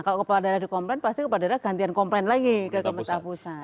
kalau kepala daerah dikomplain pasti kepala daerah gantian komplain lagi ke kementerian pusat